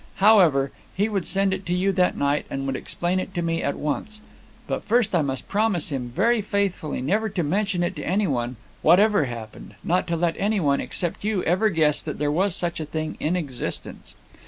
However, he would send it to you that night, and would explain it to me at once. But first I must promise him, very faithfully, never to mention it to anyone, whatever happened, not to let anyone, except you, ever guess that there was such a thing in existence.